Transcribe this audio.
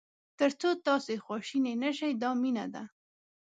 تر څو تاسو خواشینی نه شئ دا مینه ده.